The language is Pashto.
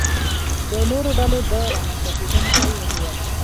د نورو ډلو د رامنځته کېدو مخه یې ونیوله.